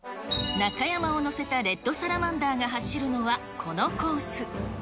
中山を乗せたレッドサラマンダーが走るのは、このコース。